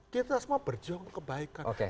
kita semua berjuang kebaikan